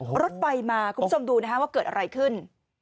รถไฟมาคุณผู้ชมดูนะฮะว่าเกิดอะไรขึ้น